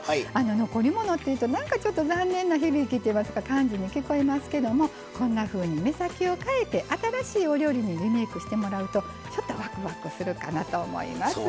残り物っていうとなんかちょっと残念な響きといいますか感じに聞こえますけどもこんなふうに目先を変えて新しいお料理にリメイクしてもらうとちょっとワクワクするかなと思います。